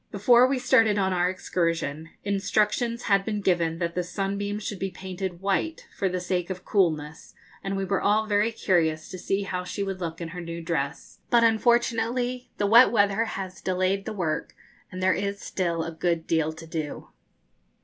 Before we started on our excursion, instructions had been given that the 'Sunbeam' should be painted white, for the sake of coolness, and we were all very curious to see how she would look in her new dress; but unfortunately the wet weather has delayed the work, and there is still a good deal to do.